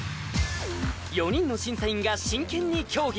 ４人の審査員が真剣に協議